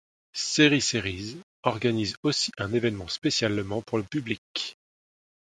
Série Series organise aussi un événement spécialement pour le public.